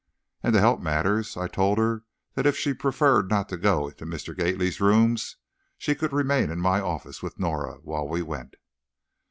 And to help matters, I told her that if she preferred not to go into Mr. Gately's rooms, she could remain in my office with Norah, while we went.